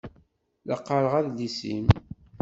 La qqaṛeɣ adlis-im.